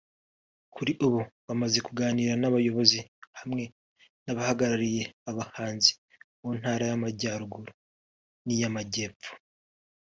Kuri ubu bamaze kuganira n’abayobozi hamwe n’abahagarariye abahinzi mu Ntara y’Amajyaruguru n’iy’Amajyepfo